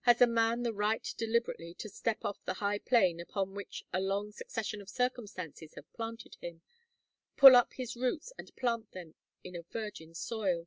Has a man the right deliberately to step off the high plane upon which a long succession of circumstances have planted him pull up his roots and plant them in a virgin soil?"